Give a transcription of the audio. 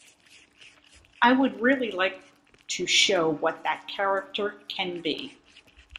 I would really like to show what that character can be.